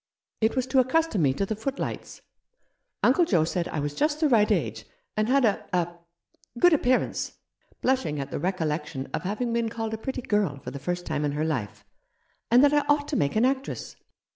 It was to accustom me to the foot lights. Uncle Joe said I was just the right age, and had — a — a — good appearance" — blushing at the recollection of having been called a pretty girl for the first time in her life — "and that I ought to make an actress.